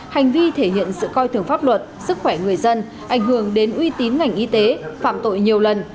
hành vi thể hiện sự coi thường pháp luật sức khỏe người dân ảnh hưởng đến uy tín ngành y tế phạm tội nhiều lần